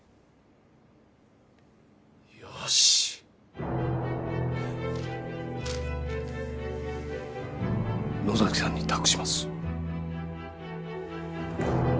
よし、野崎さんに託します。